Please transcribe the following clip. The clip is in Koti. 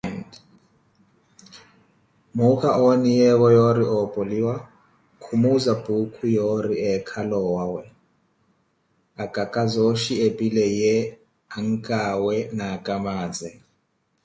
Muukha, ooniyeevo yoori oopoliwa, khumuuza Puukhu yoori eekhale owawe, acaka zooxhi epile ye ancaawe na acamaaze.